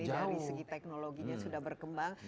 dari segi teknologinya sudah berkembang